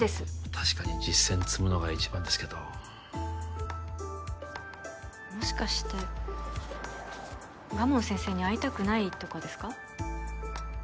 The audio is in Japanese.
確かに実践積むのが一番ですけどもしかして賀門先生に会いたくないとかですか？